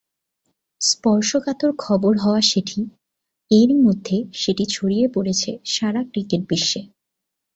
স্পর্শকাতর খবর হওয়া সেটি এরই মধ্যে সেটি ছড়িয়ে পড়েছে সারা ক্রিকেট বিশ্বে।